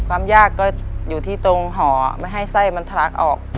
ความยากก็อยู่ที่ตรงห่อไม่ให้ไส้มันทะลักออก